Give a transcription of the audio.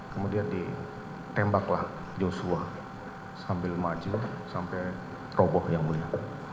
kemudian ditembaklah joshua sambil maju sampai roboh yang mulia